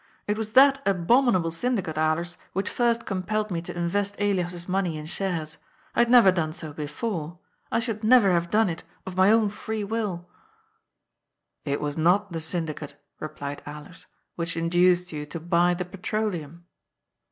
It was that abominable syndicate, Alers, which first compelled me to invest Elias's money in shares. I had never done so before; I should never have done it of my own free will." THE POWER OF ATTORNEY. 317 1 " It was not the syndicate," replied Alers, " which in duced you to buy the petroleum."